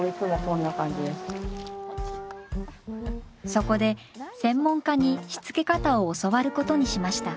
そこで専門家にしつけ方を教わることにしました。